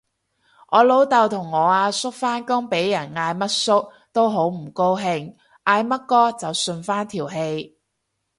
我老豆同我阿叔返工俾人嗌乜叔都好唔高興，嗌乜哥就順返條氣